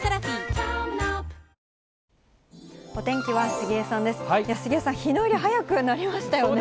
杉江さん、日の入り早くなりましたよね。